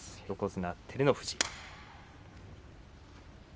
横綱照ノ富士。